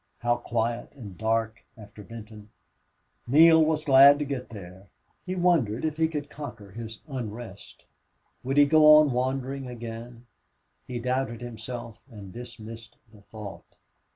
How quiet and dark after Benton! Neale was glad to get there. He wondered if he could conquer his unrest. Would he go on wandering again? He doubted himself and dismissed the thought.